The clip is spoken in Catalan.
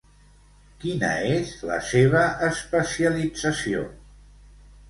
Quina és la seva especialització?